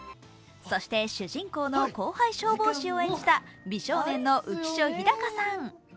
そして主人公の後輩消防士を演じた美少年の浮所飛貴さん。